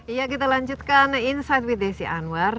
iya kita lanjutkan insight with desi anwar